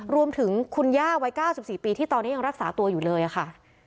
รวมถึงคุณย่าวัย๙๔ปีที่ตอนนี้ยังรักษาตัวอยู่เลยค่ะ